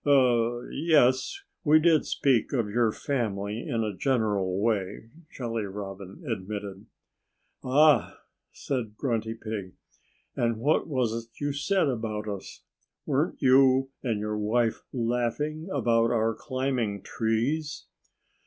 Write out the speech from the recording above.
"Er yes! We did speak of your family, in a general way," Jolly Robin admitted. "Ah!" said Grunty Pig. "And what was it you said about us? Weren't you and your wife laughing about our climbing trees?"